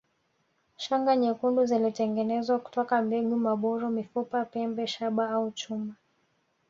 Shanga nyekundu zilitengenezwa kutoka mbegu maburu mifupa pembe shaba au chuma